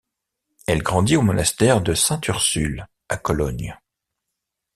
Elle grandit au monastère de sainte Ursule à Cologne.